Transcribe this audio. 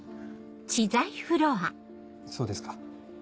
そうですか。